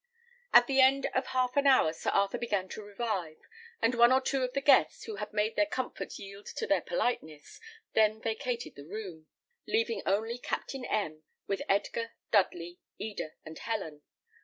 At the end of half an hour Sir Arthur began to revive; and one or two of the guests, who had made their comfort yield to their politeness, then vacated the room, leaving only Captain M , with Edgar, Dudley, Eda, and Helen.